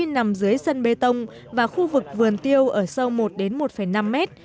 nằm dưới sân bê tông và khu vực vườn tiêu ở sâu một đến một năm mét